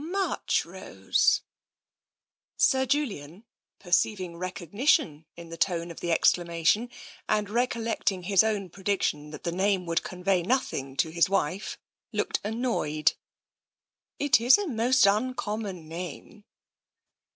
" Marchrose!" Sir Julian, perceiving recognition in the tone of the exclamation, and recollecting his own prediction that the name would convey nothing to his wife, looked annoyed. " It is a most uncommon name."